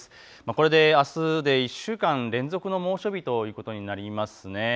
これであすで１週間連続の猛暑日ということになります。